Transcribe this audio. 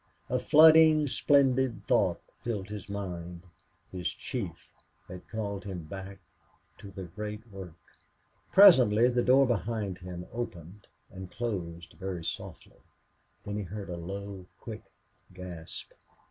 A flooding splendid thought filled his mind his chief had called him back to the great work. Presently the door behind him opened and closed very softly. Then he heard a low, quick gasp.